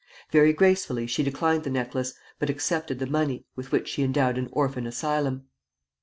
Very gracefully she declined the necklace, but accepted the money, with which she endowed an Orphan Asylum.